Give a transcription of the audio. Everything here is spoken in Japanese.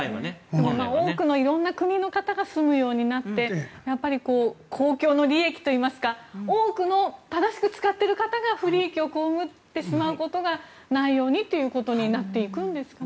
多くの色んな国の方が住むようになって公共の利益といいますか多くの正しく使っている方が不利益を被ってしまうことがないようにということになっていくんですかね。